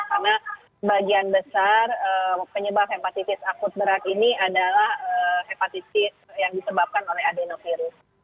karena bagian besar penyebab hepatitis akut berat ini adalah hepatitis yang disebabkan oleh adenovirus